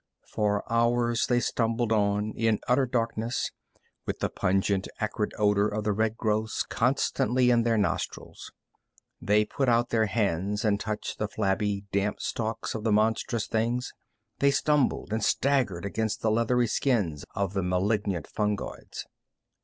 For hours they stumbled on in utter darkness, with the pungent, acrid odor of the red growths constantly in their nostrils. They put out their hands and touched the flabby, damp stalks of the monstrous things. They stumbled and staggered against the leathery skins of the malignant fungoids.